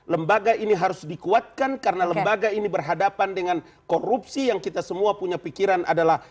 lembaga ini harus dikuatkan karena lembaga ini berhadapan dengan korupsi yang kita semua punya pikiran adalah